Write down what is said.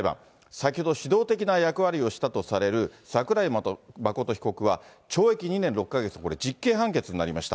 先ほど、主導的な役割をしたとされる桜井真被告は、懲役２年６か月と、実刑判決になりました。